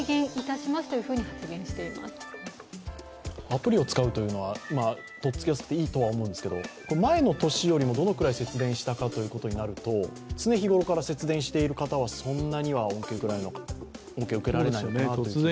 アプリを使うというのはとっつきやすくていいんですけど前の年より、どのくらい節電できるかということになりますと常日頃から節電している方はそんなには恩恵を受けられない気がします。